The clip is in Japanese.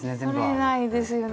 取れないですよね